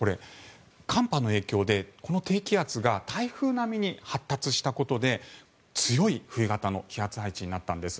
寒波の影響でこの低気圧が台風並みに発達したことで強い冬型の気圧配置になったんです。